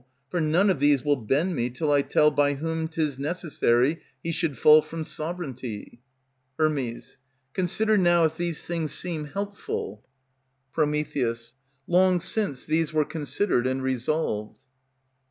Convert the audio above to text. For none of these will bend me till I tell By whom 't is necessary he should fall from sovereignty. Her. Consider now if these things seem helpful. Pr. Long since these were considered and resolved.